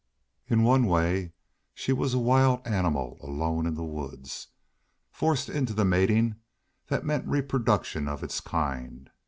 In one way she was a wild animal alone in the woods, forced into the mating that meant reproduction of its kind.